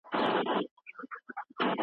تشخیص باید بشپړ وي.